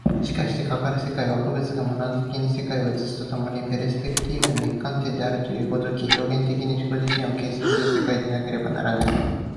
しかしてかかる世界は、個物がモナド的に世界を映すと共にペルスペクティーフの一観点であるという如き、表現的に自己自身を形成する世界でなければならない。